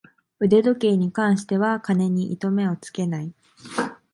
腕時計に関しては金に糸目をつけない